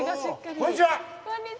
こんにちは！